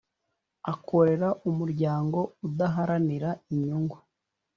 Akorera Umuryango udaharanira inyungu